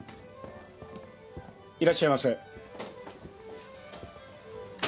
いらっしゃいませ。